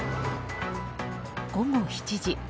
午後７時。